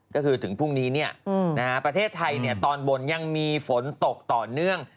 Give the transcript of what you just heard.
ก็คือถึงพรุ่งนี้ประเทศไทยตอนบนยังมีฝนตกต่อเนื่อง